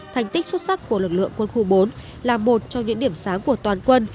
thành tích xuất sắc của lực lượng quân khu bốn là một trong những điểm sáng của toàn quân